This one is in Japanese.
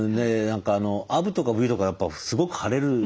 アブとかブヨとかやっぱすごく腫れる。